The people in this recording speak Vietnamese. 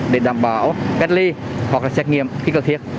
để đảm bảo cách ly hoặc là xét nghiệm khi cần thiết